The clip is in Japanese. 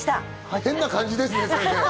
変な感じですね。